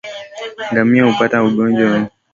Ngamia hupata ugonjwa huu kwa kuumwa na mbungo